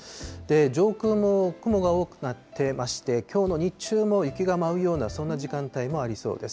上空も雲が多くなってまして、きょうの日中も雪が舞うようなそんな時間帯もありそうです。